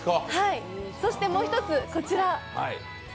そしてもう１つ、こちら。